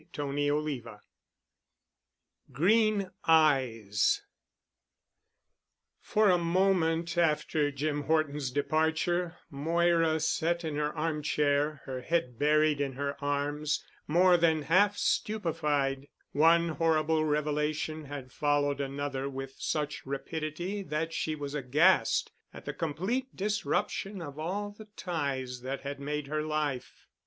*CHAPTER XV* *GREEN EYES* For a moment after Jim Horton's departure Moira sat in her arm chair, her head buried in her arms, more than half stupefied. One horrible revelation had followed another with such rapidity that she was aghast at the complete disruption of all the ties that had made her life.